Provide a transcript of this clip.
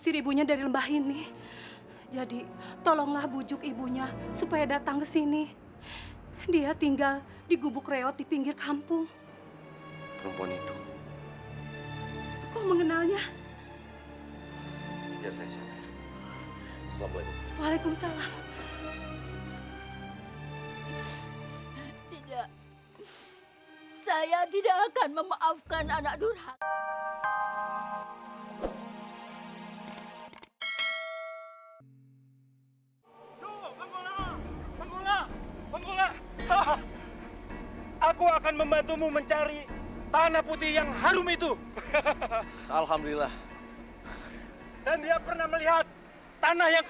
tidak saya tidak akan memaafkan anak durhat